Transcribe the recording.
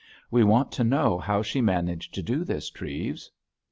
We want to know how she managed to do this, Treves."